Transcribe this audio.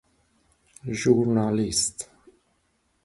ژورنالیست